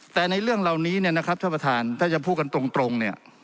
แต่ในเรื่องเหล่านี้นะครับท่านประธานถ้าจะพูดกันตรง